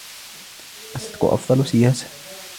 الصدق أفضل سياسة.